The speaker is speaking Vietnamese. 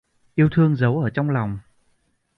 Yêu thương giấu ở trong lòng